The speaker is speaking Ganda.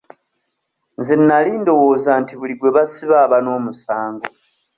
Nze nali ndowooza nti buli gwe basiba aba n'omusango.